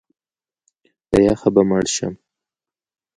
د یخه به مړ شم!